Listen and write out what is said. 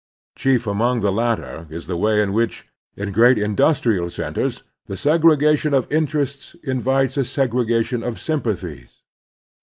Chief among the latter is the way in which, in great industrial cen ters, the segregation of interests invites a segrega tion of sympathies.